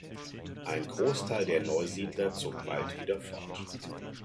Ein Großteil der Neusiedler zog bald wieder fort.